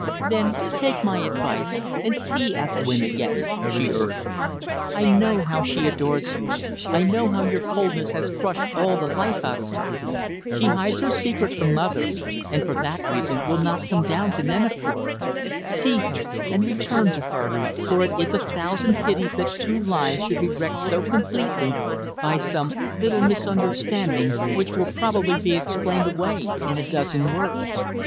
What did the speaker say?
"Then take my advice and see Ethelwynn again," she urged. "I know how she adores you; I know how your coldness has crushed all the life out of her. She hides her secret from mother, and for that reason will not come down to Neneford. See her, and return to her; for it is a thousand pities that two lives should be wrecked so completely by some little misunderstanding which will probably be explained away in a dozen words.